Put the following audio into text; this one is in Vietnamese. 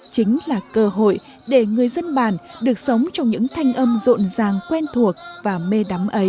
chính là cơ hội để người dân bản được sống trong những thanh âm rộn ràng quen thuộc và mê đắm ấy